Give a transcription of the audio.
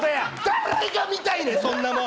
誰が見たいねん⁉そんなもん！